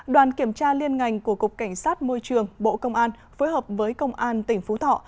đoàn kiểm tra liên ngành của cục cảnh sát môi trường bộ công an phối hợp với công an tỉnh phú thọ